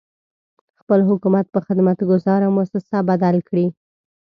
خپل حکومت په خدمت ګذاره مؤسسه بدل کړي.